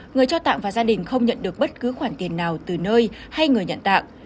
người cho tặng và gia đình không nhận được bất cứ khoản tiền nào từ nơi hay người nhận tạng